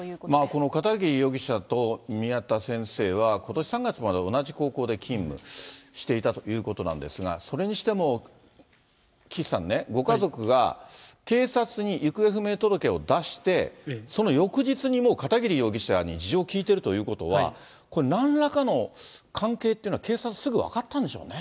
この片桐容疑者と宮田先生は、ことし３月まで同じ高校で勤務していたということなんですが、それにしても、岸さんね、ご家族が警察に行方不明届を出して、その翌日に、もう片桐容疑者に事情を聴いてるということは、これ、なんらかの関係っていうのは、警察、すぐ分かったんでしょうね。